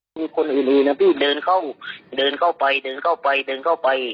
มีคนอื่นนะพี่เดินเข้าเดินเข้าไปเดินเข้าไปเดินเข้าไป